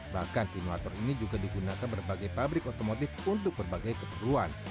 bahkan simulator ini juga digunakan berbagai pabrik otomotif untuk berbagai keperluan